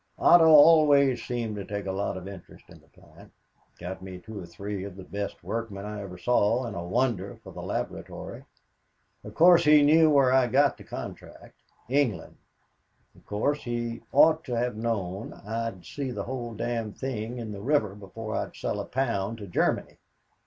Otto always seemed to take a lot of interest in the plant, got me two or three of the best workmen I ever saw and a wonder for the laboratory. Of course he knew where I got the contract England. Of course he ought to have known I'd see the whole damned thing in the river before I'd sell a pound to Germany.